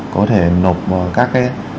có thể nộp các